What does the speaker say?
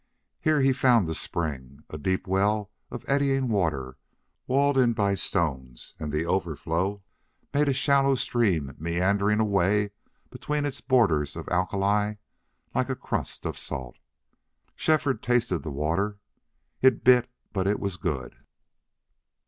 Here he found the spring, a deep well of eddying water walled in by stones, and the overflow made a shallow stream meandering away between its borders of alkali, like a crust of salt. Shefford tasted the water. It bit, but it was good.